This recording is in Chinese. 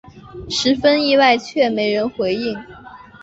十分意外却没人回应